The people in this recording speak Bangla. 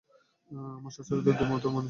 আমরা সচরাচর দুই মতের মানুষ দেখিতে পাই।